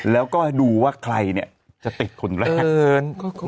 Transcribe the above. แล้วก็ดูว่าใครเนี่ยจะติดคนแรก